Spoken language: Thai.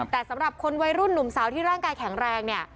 แต่สำหรับคนวัยรุ่นหนุ่มสาวที่ร่างกายแข็งแรงเนี่ย